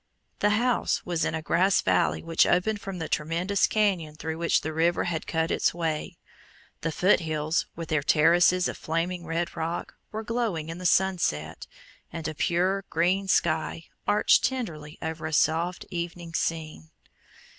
The house was in a grass valley which opened from the tremendous canyon through which the river had cut its way. The Foot Hills, with their terraces of flaming red rock, were glowing in the sunset, and a pure green sky arched tenderly over a soft evening scene.